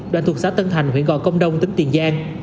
đoạn thuộc xã tân thành huyện gò công đông tỉnh tiền giang